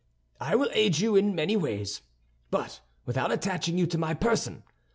I will aid you in many ways, but without attaching you to my person.